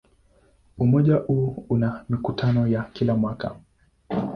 Umoja huu una mikutano ya kila mwaka.